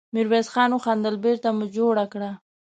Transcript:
ميرويس خان وخندل: بېرته مو جوړه کړه!